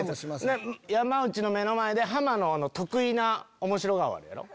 山内の目の前でハマの得意なおもしろ顔あるやろ。